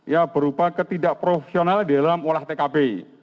ya berupa ketidakprofesional di dalam olah tkp